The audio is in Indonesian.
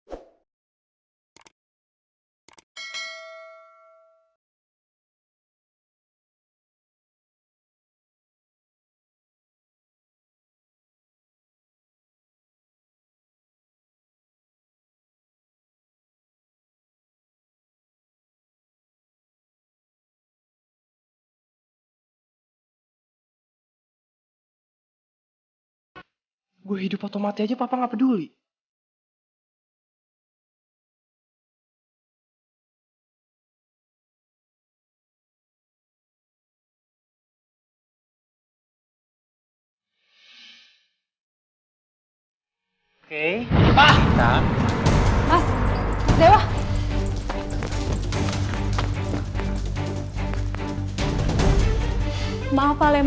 aku jadi pencomasteru makin semangat